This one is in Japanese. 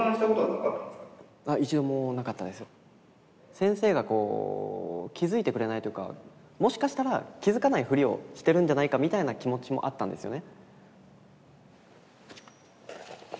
先生がこう気づいてくれないというかもしかしたら気づかないフリをしてるんじゃないかみたいな気持ちもあったんですよね。